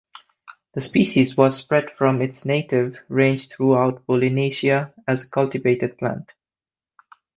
The species was spread from its native range throughout Polynesia as a cultivated plant.